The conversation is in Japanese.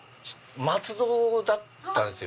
松戸だったんですよ